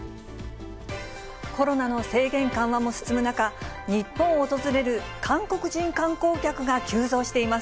コロナの制限緩和も進む中、日本を訪れる韓国人観光客が急増しています。